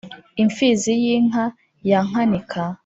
imfizi y’inkaka ya nkanika